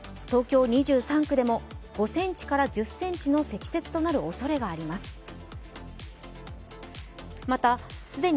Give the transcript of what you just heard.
東京２３区でも、５ｃｍから１０ｃｍの積雪となるおそれがあります。